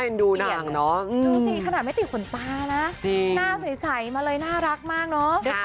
ก็ละครเรื่องใหม่แบบผมยาว